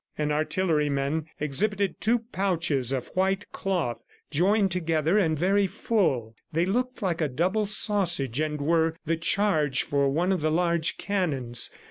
An artilleryman exhibited two pouches of white cloth, joined together and very full. They looked like a double sausage and were the charge for one of the large cannons.